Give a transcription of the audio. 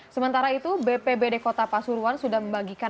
sementara itu bpbd kota pasuruan sudah membagikan